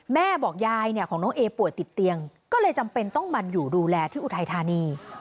แม่บอกยายของน้องเอป่วยติดเตียงก็เลยจำเป็นต้องมาอยู่ดูแลที่อุทัยธานี